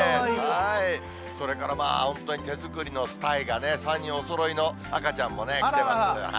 それから本当に手作りのスタイがね、３人おそろいの赤ちゃんも来てます。